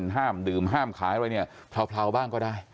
ห้ามดื่มห้ามขายอะไรเนี่ยเผลาบ้างก็ได้